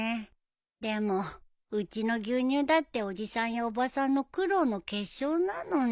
でもうちの牛乳だっておじさんやおばさんの苦労の結晶なのに。